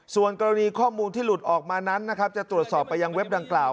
ส่วนกรณีข้อมูลที่หลุดออกมานั้นนะครับจะตรวจสอบไปยังเว็บดังกล่าว